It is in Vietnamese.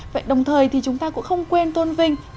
vậy đồng thời thì chúng ta cũng không quên tôn vinh